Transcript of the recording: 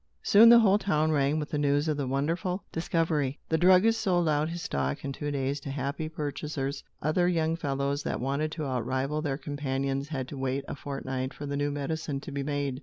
Soon the whole town rang with the news of the wonderful discovery. The druggist sold out his stock, in two days, to happy purchasers. Other young fellows, that wanted to outrival their companions, had to wait a fortnight for the new medicine to be made.